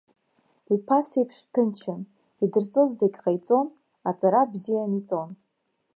Уи ԥасеиԥш дҭынчын, идырҵоз зегьы ҟаиҵон, аҵара бзиан иҵон.